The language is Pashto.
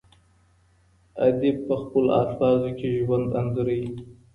ادئب په خپلو الفاظو کي ژوند انځوروي.